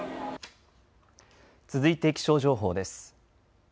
続いて気象情報です。